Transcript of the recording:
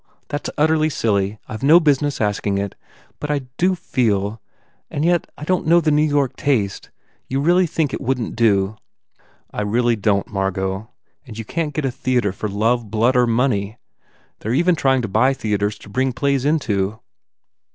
That s utterly silly. I ve no business asking it. ... But I do feel And yet I don t know the New York taste You really think it wouldn t do?" "I really don t, Margot. And you can t get a theatre for love, blood or money. They re even trying to buy theatres to bring plays into.